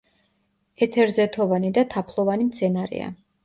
ეთერზეთოვანი და თაფლოვანი მცენარეა.